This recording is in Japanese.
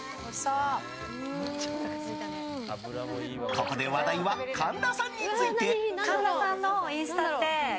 ここで、話題は神田さんについて。